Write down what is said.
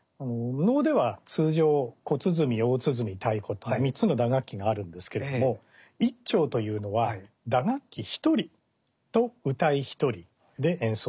能では通常小鼓大鼓太鼓と３つの打楽器があるんですけれども一調というのは打楽器一人と謡一人で演奏いたします。